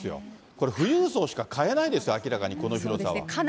これ、富裕層しか買えないですよ、明らかにこの広さは。